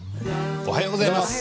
おはようございます。